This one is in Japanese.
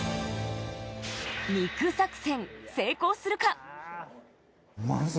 肉作戦、成功するか？